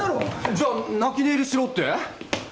じゃあ泣き寝入りしろって？